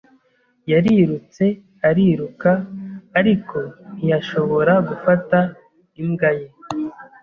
Yarirutse ariruka, ariko ntiyashobora gufata imbwa ye.